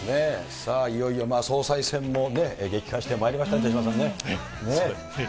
さあ、いよいよ総裁選も激化してまいりました、手嶋さんね。